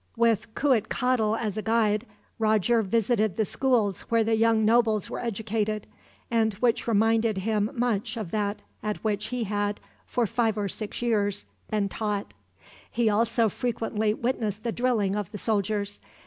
With Cuitcatl as a guide, Roger visited the schools where the young nobles were educated, and which reminded him much of that at which he had, for five or six years, been taught. He also frequently witnessed the drilling of the soldiers.